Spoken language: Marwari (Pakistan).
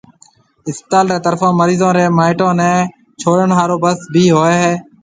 اسپتال رِي طرفون مريضون رَي مائيٽون نيَ ڇوڙڻ ھارو بس ڀِي ھيََََ